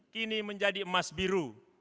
kini menjadi emas biru